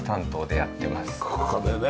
ここでね。